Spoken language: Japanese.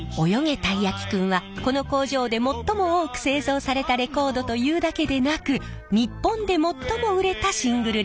たいやきくん」はこの工場で最も多く製造されたレコードというだけでなく日本で最も売れたシングルレコードなんです。